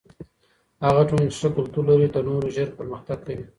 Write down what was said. هغه ټولني چی ښه کلتور لري تر نورو ژر پرمختګ کوي.